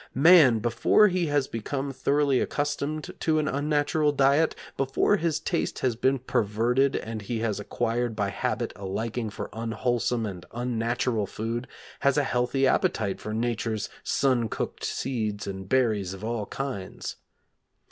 Man, before he has become thoroughly accustomed to an unnatural diet, before his taste has been perverted and he has acquired by habit a liking for unwholesome and unnatural food, has a healthy appetite for Nature's sun cooked seeds and berries of all kinds.